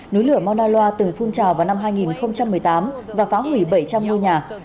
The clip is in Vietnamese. núi lửa manda từng phun trào vào năm hai nghìn một mươi tám và phá hủy bảy trăm linh ngôi nhà